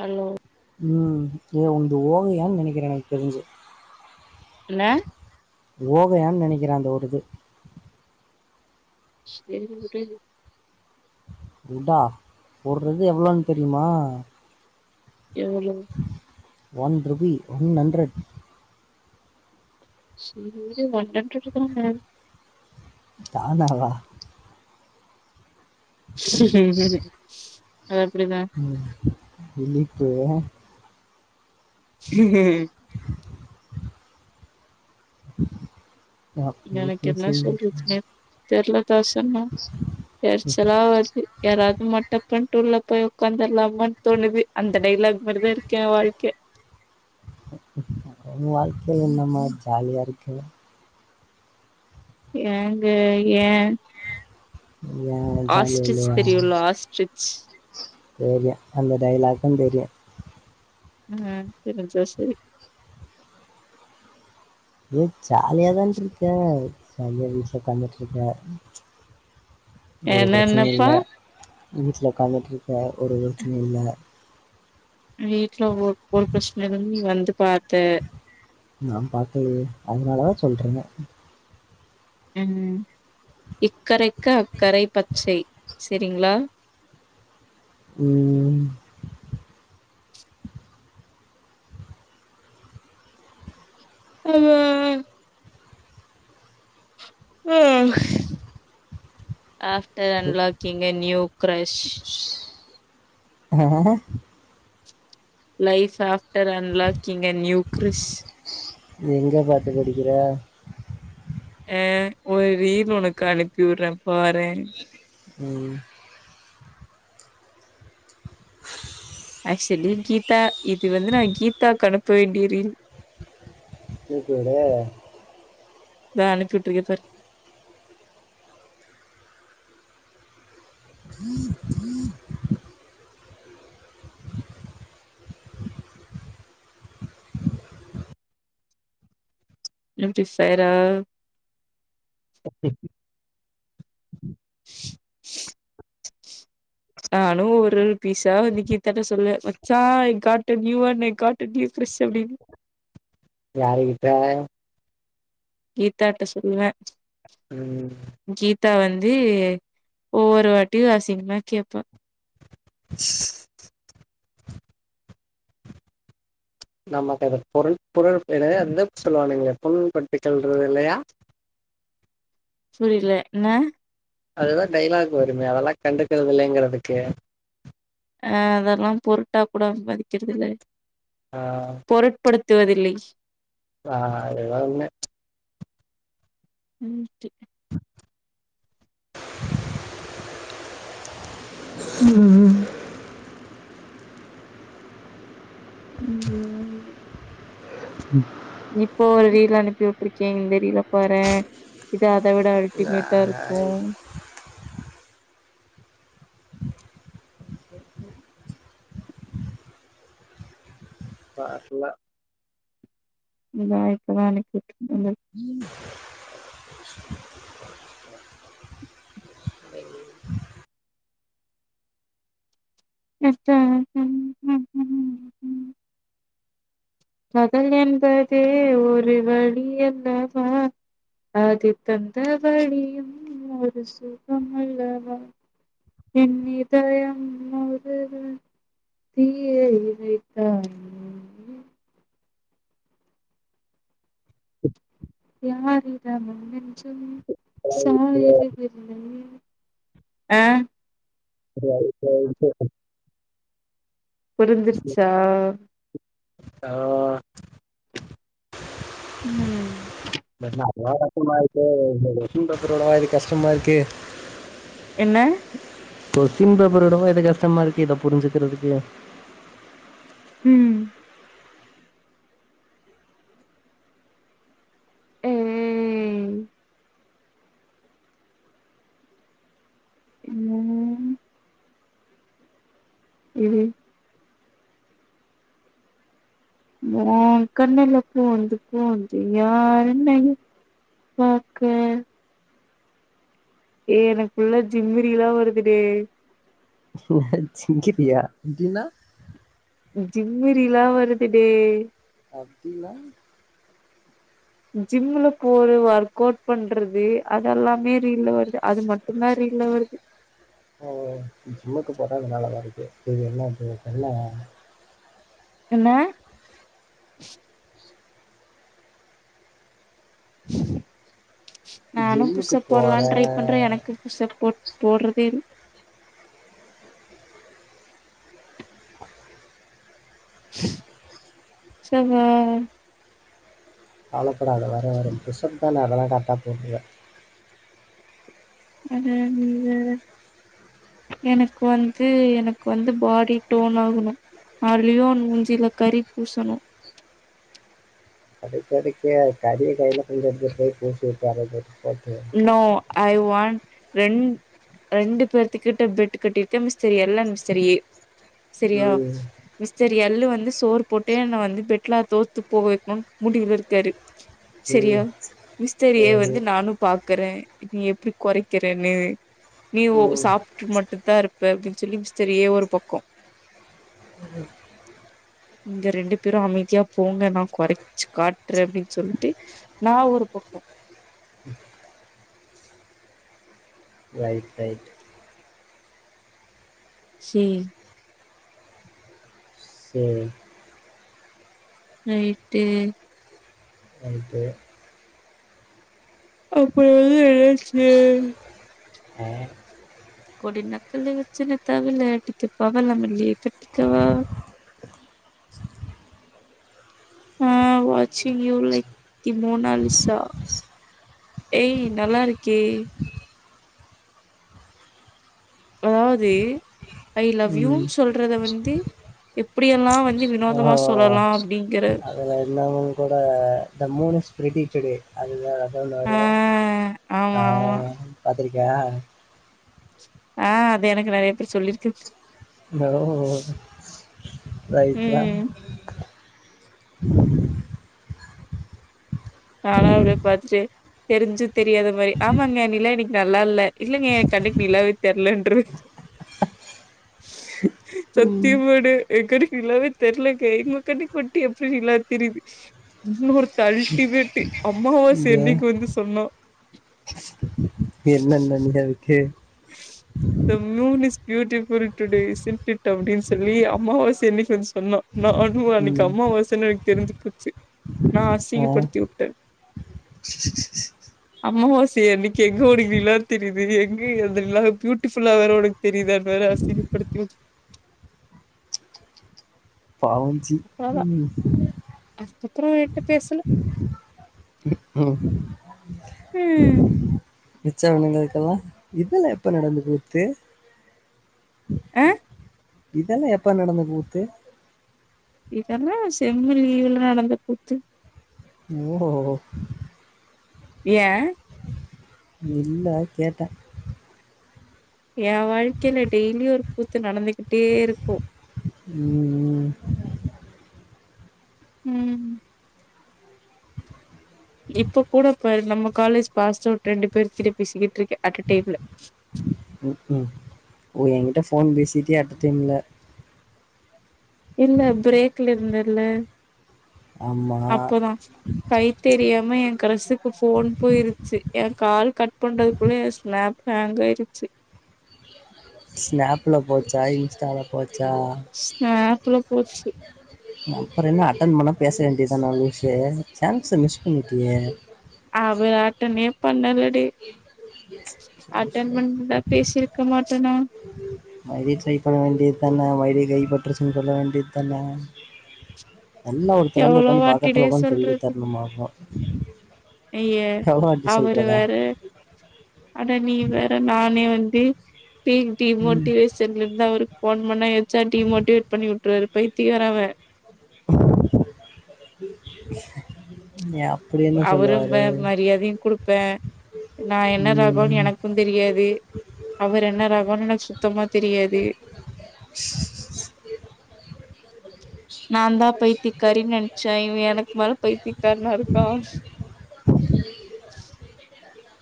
hello ம் ஏ உன்ந்து ஓகையானு நினைக்கிறே எனக்கு தெரிஞ்சு என்ன ஓகையானு நினைக்கிறே அந்த ஒரு இது சேரி வி விடு வுடா ஒரு இது எவ்ளோன்னு தெரியுமா எவ்ளோ ஒன் ரூபி ஒன் ஹண்ட்ரட் செரி விடு ஒன் ஹண்ட்ரட் தானே பாமாவா ம் அது அப்டிதா ம் இலிப்பு ஆ ம் ம் அப்பேயே எனக்கு என்ன பேசி சொல்றதுனே [unintelligible] தெர்ல தாசண்ணா எரிச்சலா வருது யாராவது மர்ட்டன் பண்டு உள்ள போய் உட்காந்துல்லம்மனு தோணுது அந்த டயலாக் மாரிதா இருக்கு ஏ வாழ்க்க உ வாழ்க்க என்னம்மா ஜாலியா இருக்கு ஏங்க ஏ ஏ ஜாலியா ஆஸ்ட்ரிச் இல்லையா தெரியுல்ல ஆஸ்ட்ரிச் தெரியு அந்த டைலாக்கு தெரியு ம் தெரிஞ்சா சேரி ஏ ஜாலியா தான்ட்டு இருக்கே ஜாலியா வீட்ல உட்காந்துட்டு இருக்கே ஒரு பிரச்சனையு என்னென்னப்பா இல்ல வீட்ல உக்காந்துட்டு இருக்க ஒரு பிரச்சனையு இல்ல வீட்டு்ல ஒ ஒரு பிரச்சனையு இல்லன்னு நீ வந்து பாத்த நா பாக்கலயே அதனாலதா சொல்றே ம் இக்கரைக்கு அக்கரை பச்சை செரிங்களா ம் ம் ம் ம் ம் ஆப்டர் அன்லாக்கிங்க நியூ கிரஷ் ஆ life after unlocking new crush எங்கே பார்த்து படிக்கிற ஆ ஒரு ரீல் உனக்கு அனுப்பி விடுறேன் பாறேன் ம் ஆக்சுவலி கீதா இது வந்து நான் கீதா அனுப்ப வேண்டிய ரீல் கேக்குதா தான் அனுப்பிட்டுருக்கேன் பார் நிம்தி செய்றா நானும் ஒரு பீஸா வந்து கீதாதாட சொல்லுவேன் மச்சான் என் காட்டு நியு வா நே காட்டு நியூ கிரிஷ் அப்டின்னு யாருகிட்ட கீதாட்ட சொல்வேன் உம் கீதா வந்து ஒவ்வொரு வாட்டியும் அசிங்கமா கேப்பா ஸ் நமக்கு அது பொருள் பொருள் பேரு இன்னெனு அதுவந்து சொல்லுவாங்க இங்க புண்படுத்திடன்றது இல்லியா புரியல என்னா அதுதான் டைலாக் வருமே அதெல்லாம் கண்டுக்கறதுல்லேங்றதுக்கு ஆ அதெலாம் பொருட்டா கூட மதிக்கிறதுல்ல ஆ பொருட்படுத்துவதில்லை ஆ எல்லாருமே உம் சேரி உம் உம் ம் உம் இப்போ ஒரு ரீல் அனுப்பி உட்ருக்கிங்லே இந்த ரீலா பாறேன் இது அத விட ஆஹ், அல்டிமேட்டா இருக்கும் வர்ல இதான் இப்போ தான் அனுப்பி உட்ருக்கேன் ம் நஷ்டோ ஆ பி காதல் என்பதே ஒரு வலி அல்லவா அதுத்தந்த வலியும் ஒரு சுகமல்லவா என் இதயம் முழுதும் தீயே வைத்தாய் யாரிடமும் நெஞ்சம் சாய்கரதில்லையே ஆ [unintelligible] புரிஞ்சிருச்சா ஆ ம் தெர்ல [inaudible] கொஸ்டின் பேப்பர் விட இது கஷ்டமா இருக்கே என்ன கொஸ்டின் பேப்பரவிடவா இது கஷ்டமா இருக்கு இத புரிஞ்சிக்கிறதுக்கு ம் ஏய் ம் எது ரா கண்ணுல பூந்து பூந்துயாருன்னே பாக்கே ஏ எனக்குள்ள ஜிம்மு ரீலா வருதுடே என்ன ஜிங்கிரியா அப்டின்னா ஜிம்மு ரீலா வருதுடே அப்டின்னா ஜிம்ல போற் ஒர்க் அவுட் பண்றது அதெல்லாமே ரீல்ல வருது அது மட்டுதா ரீல்ல வருது ஓ ஜிம்முக்கு போறதுனால வருது இது என்ன இருக்கு என்ன என்ன நானு ஜிம்முக்கு புஷ்அப் போட்லான் போறே ட்ரை பண்றே எனக்கு புஷ்அப் போ போட்றதே இல் ஷபா கவலப்படாத வரு வரு புஷ் அப் தான அதெல்லா கரெக்டா போற்றுவே அட நீ வேற எனக்கு வந்து எனக்கு வந்து பாடி டோன் ஆகணு ஆ லியோன் மூஞ்சில கறி பூசணு அதுக்கு எதுக்கு கரிய கைல கொஞ்ச எத்து போய் பூசி வுட்ற வேண்டியதா [inaudible] நோ ஐ வான்ட் ரெண் ரெண்டு பேத்து கிட்ட பெட் கட்டிருக்கே மிஸ்டர் எல் அன் மிஸ்டர் ஏ செரியா ம் மிஸ்டர் எல்லு வந்து சோறு போட்டு என்ன வந்து பெட்லா தோத்து போக வைக்கணுனு முடிவுல இருக்காரு சரியா ம் மிஸ்டர் ஏ சரி வந்து நானு பாக்குறே நீ எப்டி கொறைக்கிறேன்னு நீ ஓ ம் சாப்ட்டு மட்டு தா இருப்பே அப்டின்னு சொல்லி மிஸ்டர் ஏ ஒரு பக்கொ ம் நீங்க ரெண்டு பேரு அமைதியா போங்க நா கொறச்சு காட்டுறே அப்டின் சொல்ட்டு நா ஒரு பக்கொ ரைட் ரைட் சேர் சேரி ரைட்டு ரைட்டு இப்போ வந்து நா [unintelligible] ஆ கொடி நக்கலு வெச்சுன்னு தவிலு அடிச்சி பவள மல்லிய கட்டிக்கவா ஆ வாட்சிங் யூ லைக் தி மோனாலிசா ஏய் நல்லாருக்கே அதாவது ஐ லவ் யூன் ம் சொல்றத வந்து எப்டியெல்லா வந் எப்டி ஓ வினோதமா சொல்லலா அப்டிங்குற அதுல என்ன ஊங்கூட இந்த மூணு ஸ்ப்ரெடிடெடு அதுனால எவ்ள் ஆ நேரோ ஆமா ஆ ஆமா பாத்துருக்கியா ஆ அது எனக்கு நெறைய பேர் சொல்லிருக்கு ஓ ரைட்ரா ம் நானா அவ்ளோ பாத்துட்டு தெரிஞ்சு தெரியாத மாரி ஆமாங்க நிலா இன்னிக் நல்லால்ல இல்லைங்க எ கண்ணுக் நிலாவே தெர்லன்ருவே சத்தியமாடு எங்கண்ணுக்கு நிலாவே தெர்லங்க உங்க கண்ணுக் மட்டு எப்டி நிலா தெரிது இன்னொருத்த அல்டிமேட்டு அம்மாவாச இங்க அன்னிக்கு வந்து சொன்னா என்னென்ன நிலவுக்கு the moon is beautiful today is in it அப்டின் சொல்லி அம்மாவாச அன்னிக் வந்து சொன்னா நா னு அன்னிக்கு ம் அம்மாவாசனு எனக் தெரிஞ்சி போச்சு நா ஆ அசிங்கப்படுத்தி வுட் டே அம்மாவாசிய அன்னிக்கு எங்க உனக்கு நிலா தெரிது எங் க அந்த நிலா பியூட்டிஃபுல்லா வேற உனக்கு தெரியுதான் வேற அசிங்கப்படுத்தி வுட் பாவம் ஜி அவ்ளதா ம் அதுக்கப்புறோ என்ட்ட பேசல ம் ம் மிச்சவனுங்களுக்கெல்லா இதெல்லா எப்ப நடந்தது பே ஆ இதெல்லா எப்ப நடந்த கூத்து இதெல்லா செம்மு லீவுல நடந்த கூத்து ஓ யே இல்ல கேட்டே எ வாழ்க்கையில டெய்லியு ஒரு கூத்து நடந்துகிட்டே இருக்கு ம் ம் ம் இப்பக்கூட பாரு நம்ம காலேஜ் பாஸ்டவுட் ரெண்டு பேர் கிட்ட பேசிக்கிட்ருக்கே அட்டடைம்ல ம்க்ம் எங்கிட்ட ஃபோன் பேசிட்டே அட்ட டைம்ல இல்ல பிரேக்ல இருந்தல்ல ஆமா அப்போதா கை தெரியாம என் க்ரசுக்கு ஃபோன் போயிருச்சு எ கால் கட் பண்றது க்குள்ளயே ஸ்நாப் ஹாங்காய்டுச்சு ஸ்நாப்ல போச்சா இன்ஸ்டால போச்சா ஸ்நாப்ல போச்சு அப்புற என்ன அட்டன் பண்ண பேச வேண்டியதான லூசு சான்ச மிஸ் பண்ணிட்டியே அவரு அட்டனே பண்ணலடி அட்டன் பண்ணிந்தா பேசிருக்க மாட்டனா மறுடியு ட்ரை பண்ண வேண்டிய தானே மறுடியு கை பட்றச்சன்னு சொல்ல வேண்டியதானே எல்லா ஒருத்தர் வந்து எவ்ளோ உக்காந்து வாட்டிடே பக்கத்துல உக்காந்து சொல்லி தரணுமாக்கு ஐய்ய அவரு வேற அட நீ வேற நானே வந்து டி டி ம் மோட்டிவேஷ் செந்தில்தா இவருக்கு போன் பண்ணா எச்சா டிமோட்டிவேட் பண்ணி வுட்ரு பத்தியகார அவன் ஏ, அப்படி என்ன சொல்லுவார் அவருக்குமே மரியாதையும் குடுப்பே நா என்ன தரபோறன் ம் எனக்கு தெரியாதே அவர் என்ன ரகன்னு சுத்தமா தெரியாதே நான் தா பைத்திக்காரின் நென்ச்சே இவ எனக்கு மேல பயத்திக்காரனா இருக்கா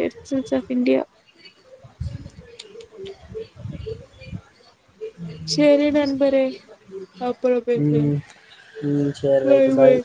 எரிச்சல் சாப் இன்டியா செரி நண்பரே அப்பறம் பேசுரே ம் ம் சரி ரைட்டு பாய் பாய்